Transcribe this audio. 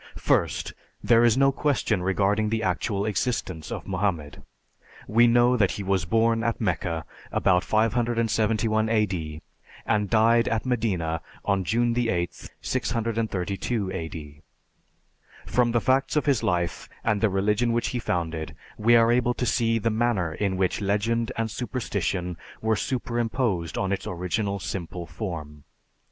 First, there is no question regarding the actual existence of Mohammed. We know that he was born at Mecca about 571 A.D. and died at Medina on June 8th, 632 A.D. From the facts of his life and the religion which he founded we are able to see the manner in which legend and superstition were superimposed on its original simple form.